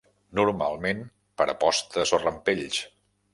Normalment per apostes o rampells.